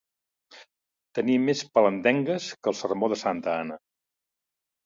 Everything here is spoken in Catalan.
Tenir més pelendengues que el sermó de Santa Anna.